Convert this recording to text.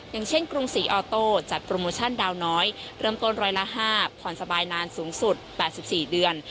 อย่างเช่นกรุงศรีออโต้จัดโปรโมชั่นดาวน้อยเริ่มต้นร้อยละ๕ผ่อนสบายนานสูงสุด๘๔เดือน